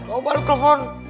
kau balik telepon